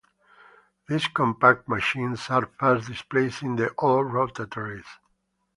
These compact machines are fast displacing the old rotaries.